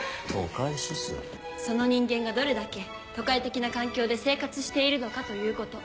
その人間がどれだけ都会的な環境で生活しているのかということ。